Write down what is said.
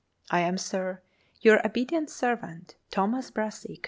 I am, Sir, your obedient servant, THOMAS BRASSEY.